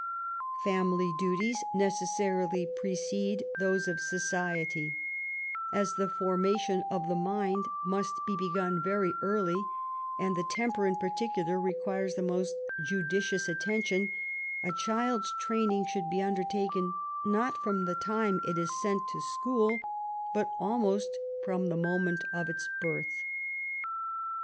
Family duties necessarily precede those of society* As the " formation of the mind must be begun very early, and the temper, in particular, requires the most judicious attention," a child's training should be undertaken, not from the time it is sent to school, but almost from the moment of its birth.